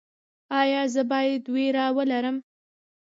ایا زه باید ویره ولرم؟